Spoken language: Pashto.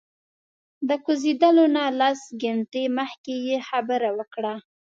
د کوزیدلو نه لس ګنټې مخکې یې خبره وکړه.